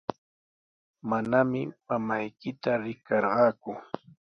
Manami mamaykita riqarqaaku.